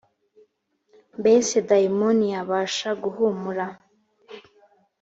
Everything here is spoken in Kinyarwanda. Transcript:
mbese dayimoni yabasha guhumura